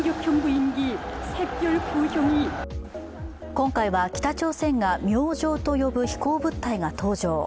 今回は、北朝鮮が明星と呼ぶ飛行物体が登場。